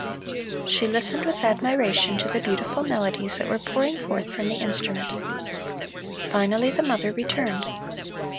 She listened with admiration to the beautiful melodies that were pouring forth from the instrument. Finally the mother returned.